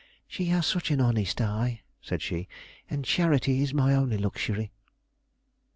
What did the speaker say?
"She has such an honest eye," said she; "and charity is my only luxury."